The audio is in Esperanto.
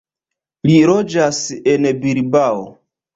Li loĝas en Bilbao.